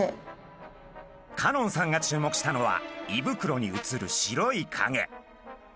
香音さんが注目したのは胃袋に写る白いかげ。